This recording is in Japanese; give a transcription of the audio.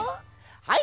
はい。